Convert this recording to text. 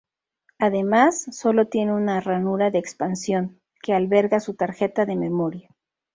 Además, sólo tiene una ranura de expansión, que alberga su tarjeta de memoria.